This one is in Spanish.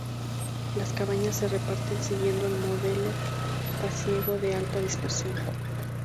Las cabañas se reparten siguiendo el modelo pasiego de alta dispersión.